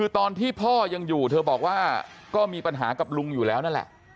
เธอบอกว่าก็มีปัญหากับลุงอยู่แล้วนั่นแหละ